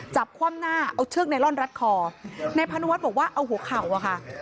คว่ำหน้าเอาเชือกไนลอนรัดคอนายพานุวัฒน์บอกว่าเอาหัวเข่าอะค่ะ